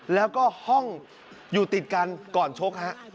แล้วก็ห้องอยู่ติดกันก่อนชกฮะ